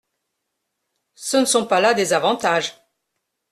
Ce ne sont pas là des avantages…